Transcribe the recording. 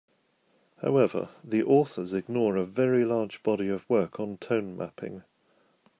However, the authors ignore a very large body of work on tone mapping.